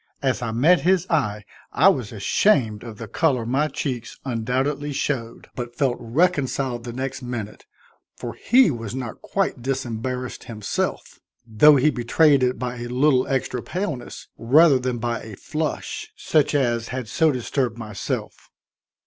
As I met his eye I was ashamed of the color my cheeks undoubtedly showed, but felt reconciled the next minute, for he was not quite disembarrassed himself, though he betrayed it by a little extra paleness rather than by a flush, such as had so disturbed myself.